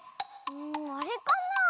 あれかなあ？